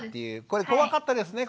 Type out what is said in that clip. これ怖かったですね